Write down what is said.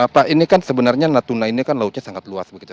pak ini kan sebenarnya natuna ini kan lautnya sangat luas begitu